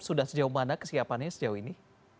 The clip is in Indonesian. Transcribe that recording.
sudah sejauh mana kesiapannya sejauh ini